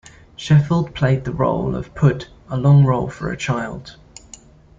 Sheffield played the role of Pud, a long role for a child.